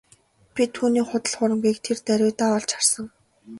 Би түүний худал хуурмагийг тэр даруйдаа олж харсан.